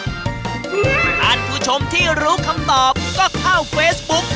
ท่านผู้ชมที่รู้คำตอบก็เข้าเฟซบุ๊ก